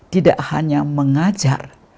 tidak hanya mengajar